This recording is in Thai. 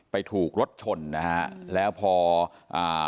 ถูกรถชนนะฮะแล้วพออ่า